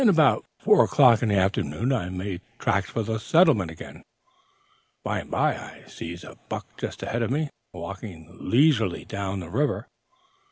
About four o'clock in the afternoon I made tracks for the settlement again. By and by I sees a buck just ahead of me, walking leisurely down the river.